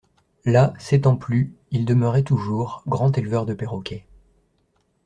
Là, s'étant plu, il demeurait toujours, grand éleveur de perroquets.